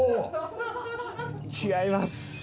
違います。